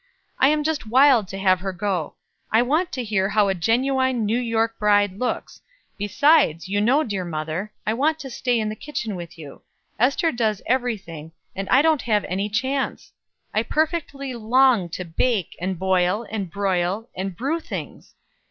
I'm just wild to have her go. I want to hear how a genuine New York bride looks; besides, you know, dear mother, I want to stay in the kitchen with you. Ester does every thing, and I don't have any chance. I perfectly long to bake, and boil, and broil, and brew things.